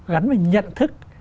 gắn với nhận thức